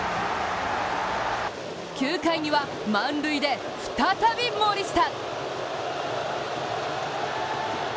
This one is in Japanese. ９回には、満塁で再び森下！